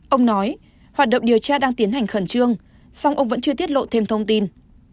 ông nói hoạt động điều tra đang tiến hành khẩn trương song ông vẫn chưa tiết lộ thêm thông tin